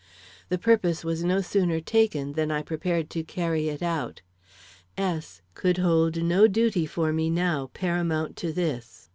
The purpose was no sooner taken than I prepared to carry it out. S could hold no duty for me now paramount to this.